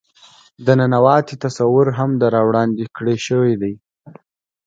د ننواتې تصور هم را وړاندې کړے شوے دے.